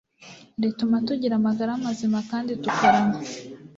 rituma tugira amagara mazima kandi tukarama